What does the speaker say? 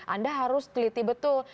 anda harus teliti betul